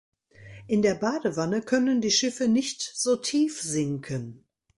In der Badewanne können die Schiffe nicht so tief sinken.